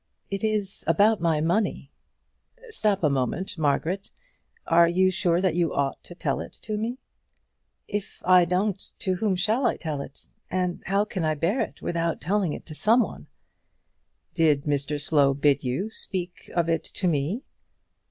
"It is about my money." "Stop a moment, Margaret. Are you sure that you ought to tell it to me?" "If I don't, to whom shall I tell it? And how can I bear it without telling it to some one?" "Did Mr Slow bid you speak of it to me?"